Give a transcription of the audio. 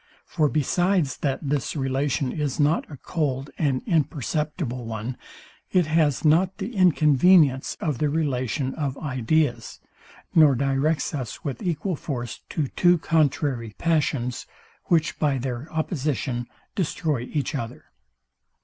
For besides, that this relation is not a cold and imperceptible one, it has not the inconvenience of the relation of ideas, nor directs us with equal force to two contrary passions, which by their opposition destroy each other.